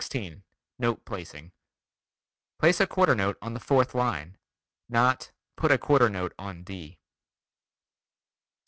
Note Placing: Place a quarter note on the fourth line. Not "put a quarter note on D." 17.